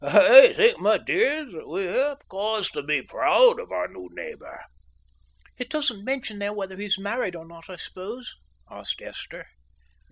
I think, my dears, that we have cause to be proud of our new neighbour." "It doesn't mention there whether he is married or not, I suppose?" asked Esther.